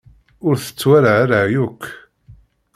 Ur t-tawala ara yakk.